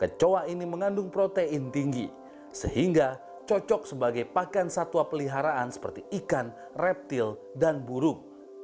kecoa ini mengandung protein tinggi sehingga cocok sebagai pakaian satwa peliharaan seperti ikan reptil dan burung